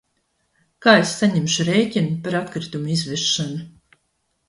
Kā es saņemšu rēķinu par atkritumu izvešanu?